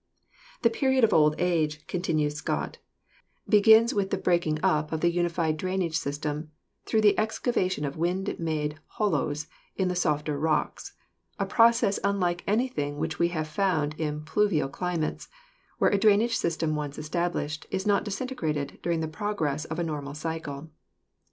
"The period of old age," continues Scott, "begins with PHYSIOGRAPHY 183 the breaking up of the unified drainage system through the excavation of wind made hollows in the softer rocks, a process unlike anything which we have found in pluvial climates, where a drainage system once established is not disintegrated during the progress of a normal cycle.